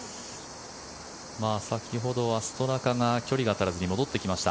先ほどはストラカが距離が足らずに戻ってきました。